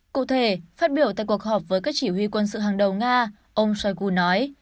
cụ thể phát biểu tại cuộc họp với các chỉ huy quân sự hàng đầu nga ông shoigu nói